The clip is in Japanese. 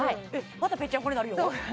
またぺっちゃんこになるよいいの？